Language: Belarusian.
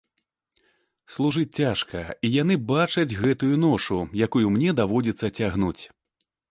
Служыць цяжка, і яны бачаць гэтую ношу, якую мне даводзіцца цягнуць.